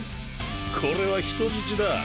これは人質だ。